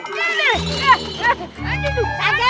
aduh aduh aduh aduh